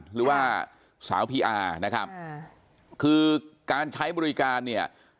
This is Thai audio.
หรือว่าสาวพีอาร์นะครับคือการใช้บริการเนี่ย